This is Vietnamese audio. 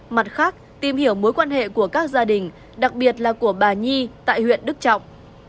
mặt khác tìm hiểu mối quan hệ của các gia đình đặc biệt là của bà nhi tại huyện đức trọng